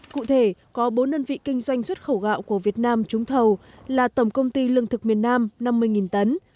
cụ thể có bốn đơn vị kinh doanh xuất khẩu gạo của việt nam trúng thầu là tổng công ty lương thực miền nam năm mươi tấn